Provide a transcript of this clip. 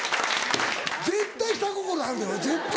絶対下心あるで俺絶対。